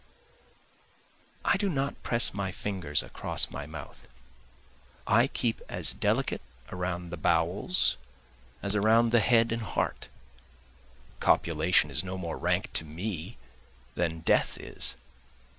I do not press my fingers across my mouth, I keep as delicate around the bowels as around the head and heart, Copulation is no more rank to me than death is.